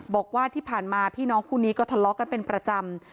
บอกว่าที่ผ่านมาพี่น้องคู่นี้ก็ทะเลาะกันเป็นประจำ